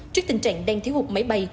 trước tình trạng đang thiếu hụt máy bay